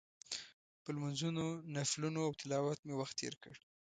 په لمونځونو، نفلونو او تلاوت مې وخت تېر کړ.